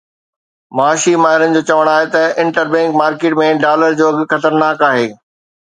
معاشي ماهرن جو چوڻ آهي ته انٽر بئنڪ مارڪيٽ ۾ ڊالر جو اگهه خطرناڪ آهي